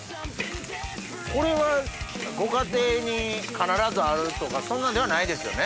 これはご家庭に必ずあるとかそんなんではないですよね？